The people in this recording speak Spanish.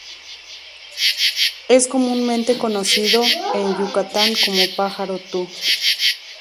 Es comúnmente conocido en Yucatán como pájaro tho.